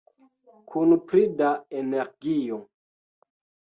Kun pli da energio!